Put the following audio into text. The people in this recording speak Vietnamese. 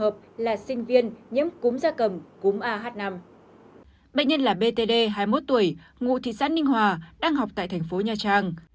bệnh nhân là btd hai mươi một tuổi ngụ thị xã ninh hòa đang học tại thành phố nha trang